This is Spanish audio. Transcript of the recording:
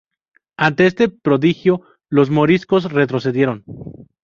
Ante este prodigio los moriscos retrocedieron.